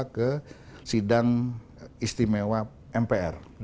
ke sidang istimewa mpr